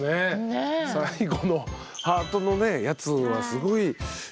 最後のハートのねやつはすごいいいですね。